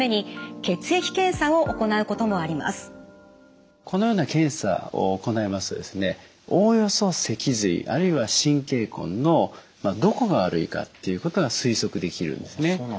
更にこのような検査を行いますとですねおおよそ脊髄あるいは神経根のどこが悪いかっていうことが推測できるんですね。